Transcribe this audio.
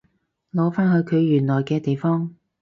擺返去佢原來嘅地方